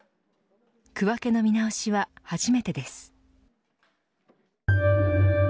区分けの見直しは初めてです。